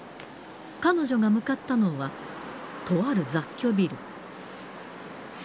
彼女が向かったのは、とある雑居ビル。